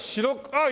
あっ！